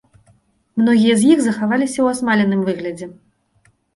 Многія з іх захаваліся ў асмаленым выглядзе.